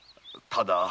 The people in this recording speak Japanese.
ただ。